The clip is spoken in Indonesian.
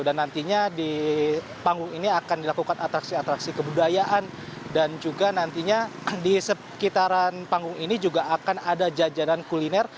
dan nantinya di panggung ini akan dilakukan atraksi atraksi kebudayaan dan juga nantinya di sekitaran panggung ini juga akan ada jajanan kuliner